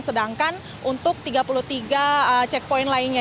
sedangkan untuk tiga puluh tiga checkpoint lainnya